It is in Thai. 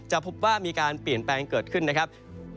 พบว่ามีการเปลี่ยนแปลงเกิดขึ้นนะครับ